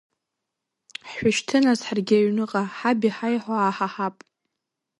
Ҳшәышьҭы, нас, ҳаргьы аҩныҟа, ҳаб иҳаиҳәо ааҳаҳап.